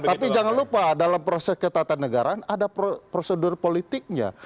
tapi jangan lupa dalam proses ketatanegaraan ada prosedur politiknya